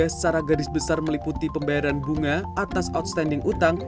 secara garis besar meliputi pembayaran bunga atas outstanding utang